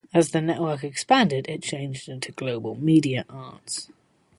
As the network expanded it changed into Global Media Arts.